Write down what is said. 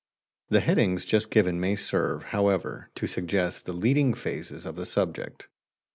The headings just given may serve, however, to suggest the leading phases of the subject.